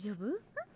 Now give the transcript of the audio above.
えっ？